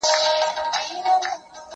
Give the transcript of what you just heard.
زه به اوږده موده بازار ته تللی وم؟